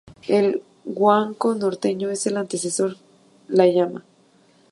El guanaco norteño es el antecesor de la llama.